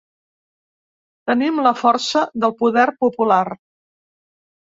Tenim la força del poder popular.